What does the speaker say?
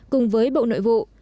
cùng với bộ nội vụ